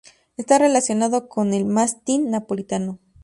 Está relacionado con el mastín napolitano.